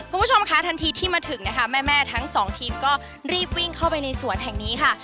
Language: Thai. คุณผู้ชมคะทันทีที่มาถึงนะคะแม่ทั้งสองทีมก็รีบวิ่งเข้าไปในสวนแห่งนี้ค่ะ